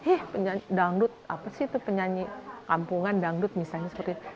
eh dangdut apa sih itu penyanyi kampungan dangdut misalnya seperti itu